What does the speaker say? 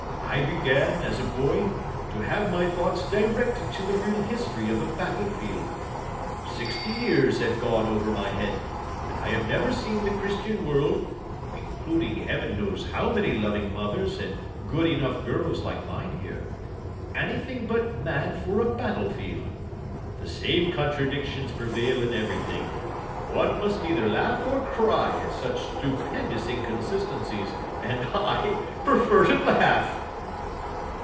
I began, as a boy, to have my thoughts directed to the real history of a battle field. Sixty years have gone over my head, and I have never seen the Christian world, including Heaven knows how many loving mothers and good enough girls like mine here, anything but mad for a battle field. The same contradictions prevail in everything. One must either laugh or cry at such stupendous inconsistencies; and I prefer to laugh.